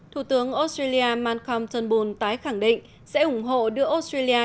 thủ tướng australia malcolm turnbull tái khẳng định sẽ ủng hộ đưa australia